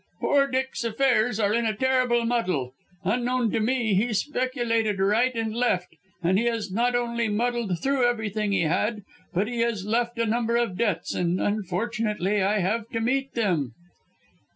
"Poor Dick's affairs are in a terrible muddle. Unknown to me he speculated right and left, and he has not only muddled through everything he had, but he has left a number of debts, and unfortunately I have to meet them."